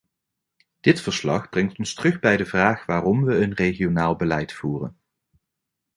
Dit verslag brengt ons terug bij de vraag waarom we een regionaal beleid voeren.